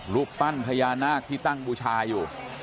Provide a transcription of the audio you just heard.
รูปปั้นพญานาคที่ตั้งบูชาอยู่